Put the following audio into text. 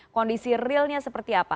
kondisi realnya seperti apa